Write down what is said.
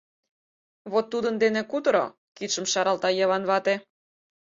— Вот тудын дене кутыро, — кидшым шаралта Йыван вате.